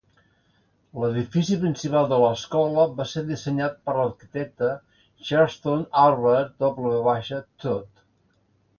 L'edifici principal de l'escola va ser dissenyat per l'arquitecte Charleston Albert W. Todd.